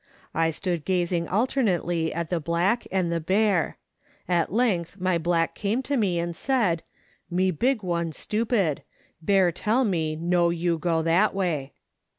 I stood gazing alternately at the black and the bear. At length my black came to me and said, " Me big one stupid ; bear tell me no you go that way."